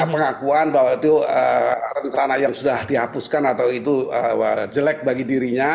pengakuan bahwa itu rencana yang sudah dihapuskan atau itu jelek bagi dirinya